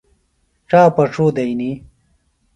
ڇاپڇو دئنی۔